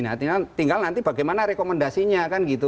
nah tinggal nanti bagaimana rekomendasinya kan gitu